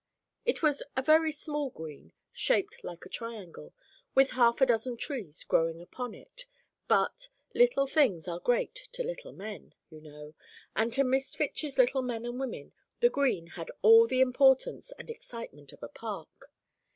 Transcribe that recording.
It was a very small green, shaped like a triangle, with half a dozen trees growing upon it; but "Little things are great to little men," you know, and to Miss Fitch's little men and women "the Green" had all the importance and excitement of a park.